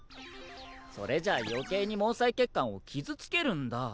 それじゃ余計に毛細血管を傷つけるんだ。